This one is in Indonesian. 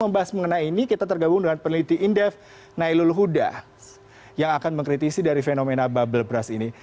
membahas mengenai ini kita tergabung dengan peneliti indef nailul huda yang akan mengkritisi dari fenomena bubble brush ini